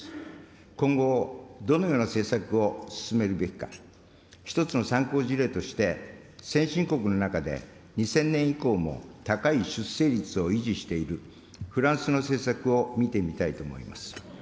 今後、どのような政策を進めるべきか、１つの参考事例として、先進国の中で２０００年以降も高い出生率を維持しているフランスの政策を見てみたいと思います。